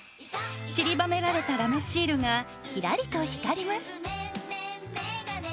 ちりばめられたラメシールがキラリと光ります。